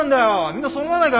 みんなそう思わないか？